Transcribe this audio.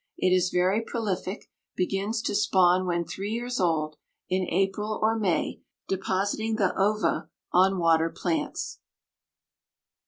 It is very prolific, begins to spawn when three years old, in April or May, depositing the ova on water plants.